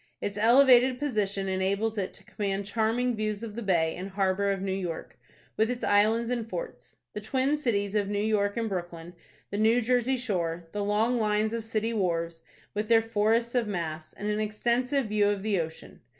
Its elevated position enables it to command charming views of the bay and harbor of New York; with its islands and forts, the twin cities of New York and Brooklyn, the New Jersey shore, the long lines of city wharves, with their forests of masts, and an extensive view of the ocean.